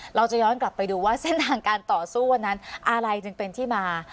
เราจะย้อนกลับไปดูว่าเส้นทางการต่อสู้วันนั้นอะไรจึงเป็นที่มา